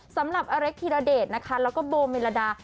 สำหรับอเล็กธิรเดชนะคะแล้วก็โบเมลดา